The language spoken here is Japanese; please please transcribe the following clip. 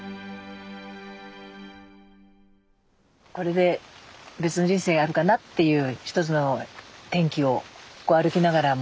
これで別の人生があるかなっていう１つの転機をここ歩きながらも決めましたね。